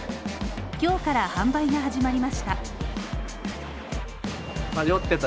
今日から販売が始まりました。